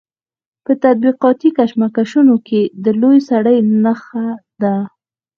په طبقاتي کشمکشونو کې د لوی سړي نښه ده.